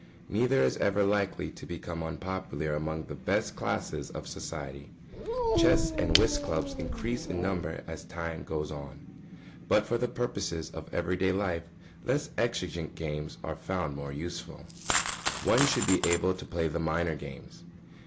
Neither is ever likely to become unpopular among the best classes of society. Chess and whist clubs increase in number as time goes on; but for the purposes of everyday life less exigent games are found more useful. [Sidenote: One should be able to play the minor games.